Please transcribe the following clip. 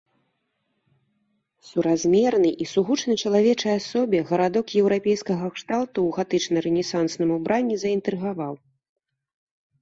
Суразмерны і сугучны чалавечай асобе гарадок еўрапейскага кшталту ў гатычна-рэнесансным убранні заінтрыгаваў.